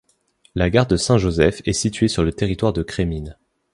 La gare de Saint-Joseph est située sur le territoire de Crémines.